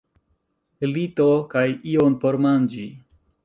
Lito kaj ion por manĝi.